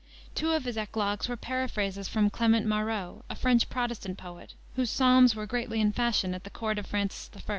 Two of his eclogues were paraphrases from Clement Marot, a French Protestant poet, whose psalms were greatly in fashion at the court of Francis I.